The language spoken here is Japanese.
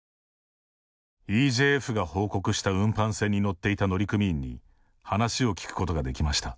ＥＪＦが報告した運搬船に乗っていた乗組員に話を聞くことができました。